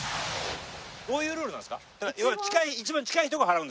どういうルールなんですか？